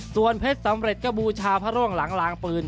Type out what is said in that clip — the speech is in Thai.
ส่วนเพชรสำเร็จก็บูชาพระร่วงหลังลางปืน